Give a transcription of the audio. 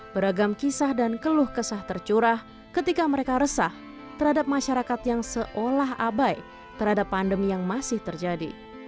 beragam kisah dan keluh kesah tercurah ketika mereka resah terhadap masyarakat yang seolah abai terhadap pandemi yang masih terjadi